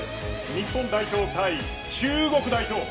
日本代表対中国代表。